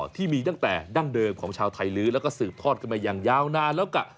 ที่มีตั้งแต่ดั้งเดิมของชาวไทยลื้อแล้วก็สืบทอดกันมาอย่างยาวนานแล้วกะ